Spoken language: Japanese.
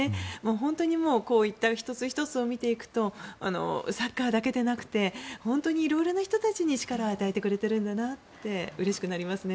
本当にこういった１つ１つを見ていくとサッカーだけでなくて本当に色々な人たちに力を与えてくれているんだなってうれしくなりますね。